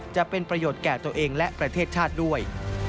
จะเป็นประโยชน์แก่ตัวเองและประเทศชาติด้วย